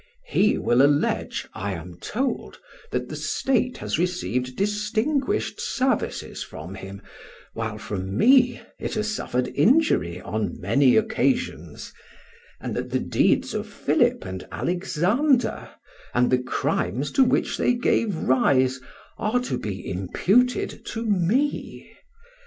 He will allege, I am told, that the State has received distinguished services from him, while from me it has suffered injury on many occasions; and that the deeds of Philip and Alexander, and the crimes to which they gave rise, are to be imputed to me.